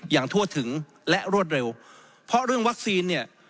อย่างทั่วถึงและรวดเร็วเพราะเรื่องวัคซีนเนี่ย